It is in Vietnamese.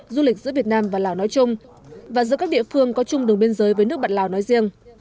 du lịch giữa việt nam và lào nói chung và giữa các địa phương có chung đường biên giới với nước bạn lào nói riêng